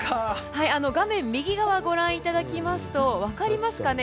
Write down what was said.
画面右側ご覧いただきますと分かりますかね。